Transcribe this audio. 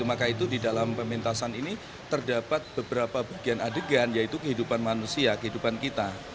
maka itu di dalam pementasan ini terdapat beberapa bagian adegan yaitu kehidupan manusia kehidupan kita